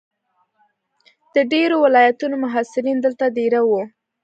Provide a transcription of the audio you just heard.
د ډېرو ولایتونو محصلین دلته دېره وو.